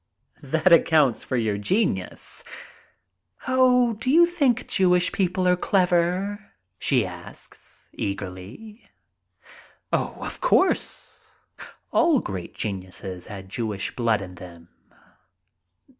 "That accounts for your genius." "Oh, do you think Jewish people are clever?" she asks, eagerly. "Of course. All great geniuses had Jewish blood in them.